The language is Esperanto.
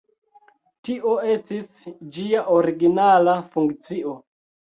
Tio estis ĝia originala funkcio.